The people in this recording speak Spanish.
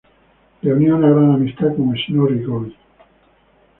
Le unía una gran amistad con Snorri Goði.